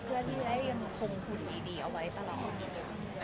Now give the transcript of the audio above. เพื่อที่ได้ยังคงผลที่ดีเอาไว้ตลอด